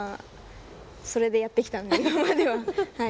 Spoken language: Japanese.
それでやってきたので、今まで。